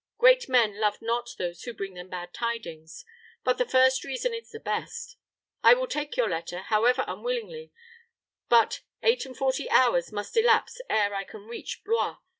Great men love not those who bring them bad tidings. But the first reason is the best. I will take your letter, however unwillingly, but eight and forty hours must elapse ere I can reach Blois.